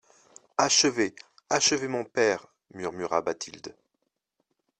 Achevez, achevez, mon père, murmura Bathilde.